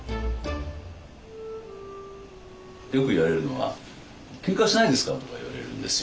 よく言われるのは「ケンカしないですか？」とか言われるんですよ